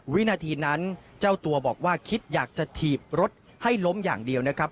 วินาทีนั้นเจ้าตัวบอกว่าคิดอยากจะถีบรถให้ล้มอย่างเดียวนะครับ